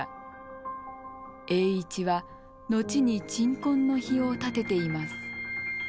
栄一は後に鎮魂の碑を建てています。